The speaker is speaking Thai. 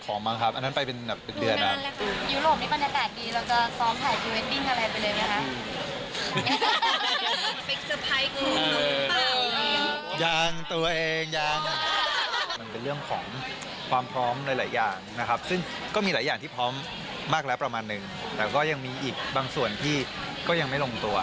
มันเป็นแบบความพร้อมหลายอย่างนะครับซึ่งก็มีหลายอย่างที่พร้อมมากแล้วประมาณนึงแต่ก็ยังมีอีกบางส่วนที่ก็ยังไม่ลงตัว